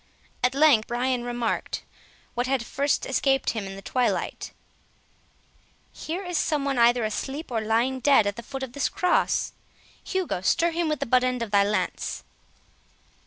At length Brian remarked, what had at first escaped him in the twilight; "Here is some one either asleep, or lying dead at the foot of this cross—Hugo, stir him with the butt end of thy lance."